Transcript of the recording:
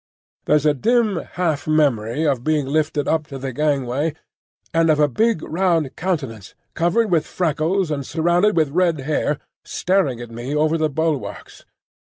There's a dim half memory of being lifted up to the gangway, and of a big round countenance covered with freckles and surrounded with red hair staring at me over the bulwarks.